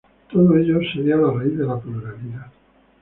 Todo ello sería la raíz de la pluralidad.